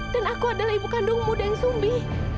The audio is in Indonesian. dan aku adalah ibu kandungmu deng sumi